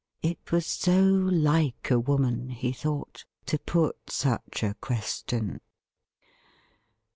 It was so like a woman, he thought, to put such a question.